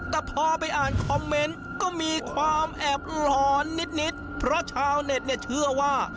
แต่พอไปอ่านคอมเมนต์ก็มีความแอบหลอนนิดนิดเพราะชาวเน็ตเนี่ยเชื่อว่า